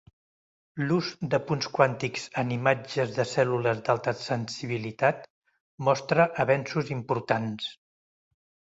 L'ús de punts quàntics en imatges de cèl·lules d'alta sensibilitat mostra avenços importants.